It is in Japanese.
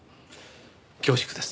恐縮です。